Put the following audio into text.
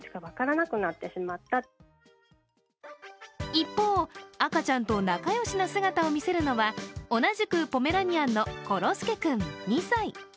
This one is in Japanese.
一方、赤ちゃんと仲良しな姿を見せるのは同じくポメラニアンのころすけ君、２歳。